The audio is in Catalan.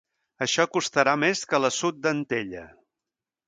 Això costarà més que l'assut d'Antella.